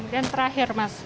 dan terakhir mas